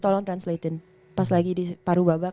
tolong translate in pas lagi di paru babak